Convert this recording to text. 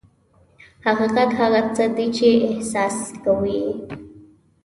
حقیقت هغه څه دي چې احساس کوو یې.